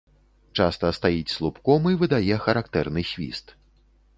Часта стаіць слупком і выдае характэрны свіст.